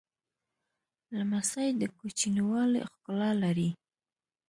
لمسی د کوچنیوالي ښکلا لري.